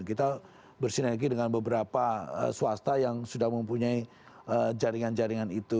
kita bersinergi dengan beberapa swasta yang sudah mempunyai jaringan jaringan itu